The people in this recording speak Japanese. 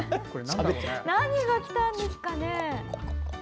何がきたんですかね。